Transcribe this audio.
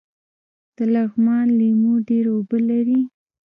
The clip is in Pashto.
د لغمان لیمو ډیر اوبه لري